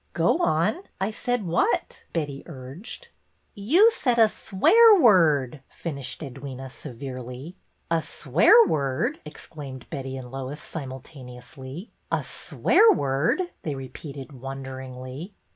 " Go on. I said what? " Betty urged. 190 BETTY BAIRD'S VENTURES You said a swear word/' finished Edwyna severely. ''A swear word!" exclaimed Betty and Lois, simultaneously. '' A swear word !" they re peated wonderingly.